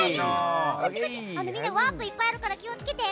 みんな、ワープいっぱいあるから気を付けてね。